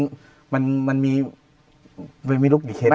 ครับมันมีไม่รู้กี่เคล็ดครับ